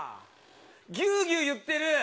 ギュウギュウいってる！